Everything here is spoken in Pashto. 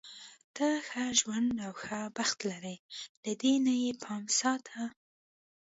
ته ښه ژوند او ښه بخت لری، له دې نه یې پام ساته.